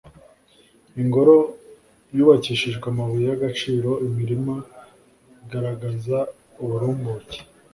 ingoro zubakishijwe amabuye y'agaciro, imirima igaragaza uburumbuke,